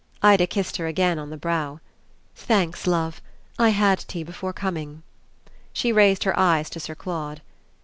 Ida kissed her again on the brow. "Thanks, love. I had tea before coming." She raised her eyes to Sir Claude.